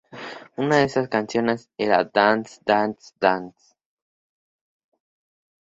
Una de estas canciones era "Dance, Dance, Dance".